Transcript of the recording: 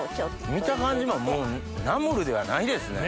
見た感じはもうナムルではないですね。